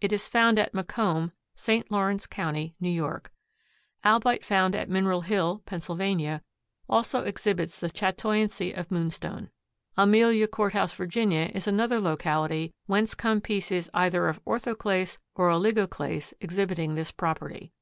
It is found at Macomb, St. Lawrence county, New York. Albite found at Mineral Hill, Pennsylvania, also exhibits the chatoyancy of moonstone. Amelia Court House, Virginia, is another locality whence come pieces either of orthoclase or oligoclase exhibiting this property.